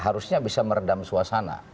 harusnya bisa meredam suasana